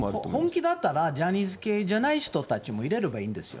本気だったらジャニーズ系じゃない人たちも入れればいいんですよ。